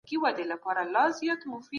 هغه څوک چي غلا کوي، پر ځان ظلم کوي.